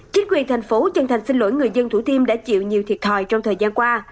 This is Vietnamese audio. chính quyền tp hcm chân thành xin lỗi người dân thủ thiêm đã chịu nhiều thiệt hòi trong thời gian qua